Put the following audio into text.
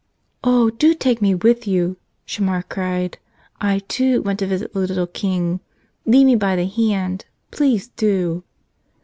"Oh, do take me with you !" Shamar cried. "I, too, want to visit the little King. Lead me by the hand — please do!"